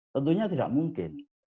tentunya tidak mungkin